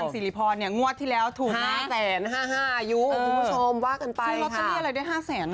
ซึ่งรถตรงนี้อะไรได้๕๐๐๐อ่ะ